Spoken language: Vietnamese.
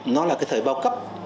nó là cái thời bao cấp